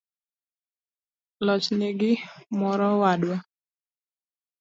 loch nigi morowadwa